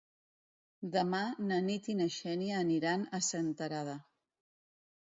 Demà na Nit i na Xènia aniran a Senterada.